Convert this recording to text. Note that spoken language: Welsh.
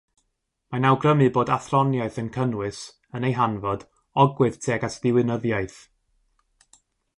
Mae'n awgrymu bod athroniaeth yn cynnwys, yn ei hanfod, ogwydd tuag at ddiwinyddiaeth.